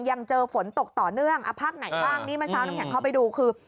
ยังเจอฝนตกต่อเนื่องเอาภาคไหนบ้างนี่เมื่อเช้าน้ำแข็งเข้าไปดูคือ